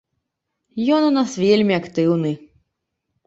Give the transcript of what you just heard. Ён у нас вельмі актыўны.